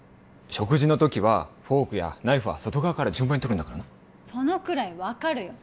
食事の時はフォークやナイフは外側から順番に取るんだからなそのくらい分かるよ